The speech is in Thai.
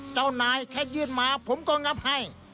เจ้านายแค่ยื่นมาผมก็งับให้